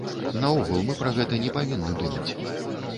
Наогул, мы пра гэта не павінны думаць.